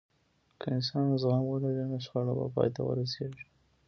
که انسان زغم ولري، نو شخړه به پای ته ورسیږي.